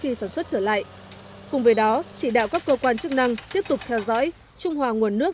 khi sản xuất trở lại cùng với đó chỉ đạo các cơ quan chức năng tiếp tục theo dõi trung hòa nguồn nước